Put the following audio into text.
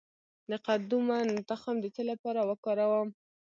د قدومه تخم د څه لپاره وکاروم؟